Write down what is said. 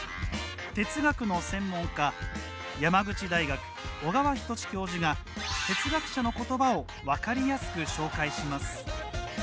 哲学の専門家・山口大学小川仁志教授が哲学者のことばを分かりやすく紹介します。